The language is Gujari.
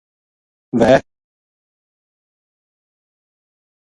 وھے